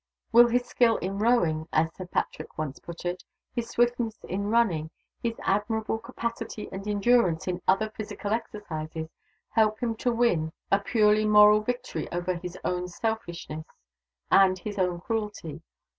Will his skill in rowing (as Sir Patrick once put it), his swiftness in running, his admirable capacity and endurance in other physical exercises, help him to win a purely moral victory over his own selfishness and his own cruelty?